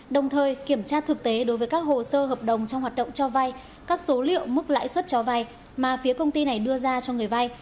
đồng thời kiểm tra thực tế đối với các hồ sơ hợp đồng trong hoạt động cho vay các số liệu mức lãi suất cho vay mà phía công ty này đưa ra cho người vay